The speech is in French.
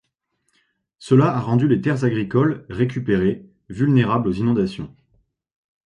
Cela a rendu les terres agricoles récupérées, vulnérables aux inondations.